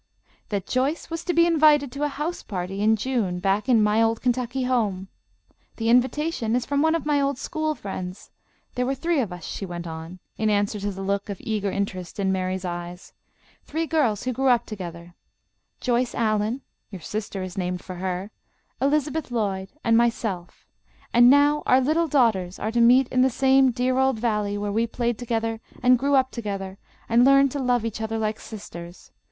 "That Joyce was to be invited to a house party in June, back in 'My old Kentucky home.' The invitation is from one of my old school friends. There were three of us," she went on, in answer to the look of eager interest in Mary's eyes. "Three girls who grew up together: Joyce Allen (your sister is named for her), Elizabeth Lloyd, and myself. And now our little daughters are to meet in the same dear old valley where we played together and grew up together and learned to love each other like sisters.